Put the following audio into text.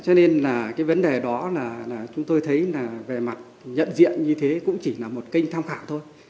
cho nên là cái vấn đề đó là chúng tôi thấy là về mặt nhận diện như thế cũng chỉ là một kênh tham khảo thôi